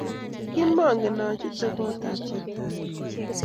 Kimangen achute kot ap chito ake